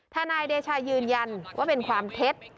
ทนายเดชายืนยันว่าเป็นความเท็จ